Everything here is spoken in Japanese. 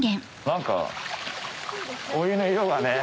何かお湯の色が。